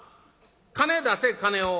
金出せ金を」。